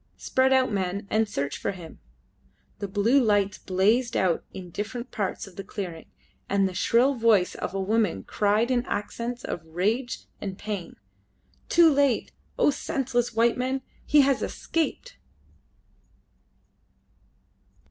Spread out, men, and search for him!" Blue lights blazed out in different parts of the clearing, and the shrill voice of a woman cried in accents of rage and pain "Too late! O senseless white men! He has escaped!"